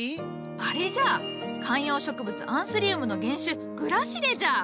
あれじゃ観葉植物アンスリウムの原種グラシレじゃ！